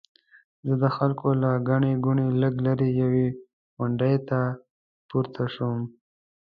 زه د خلکو له ګڼې ګوڼې لږ لرې یوې غونډۍ ته پورته شوم.